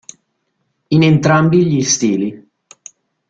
In entrambi gli stili.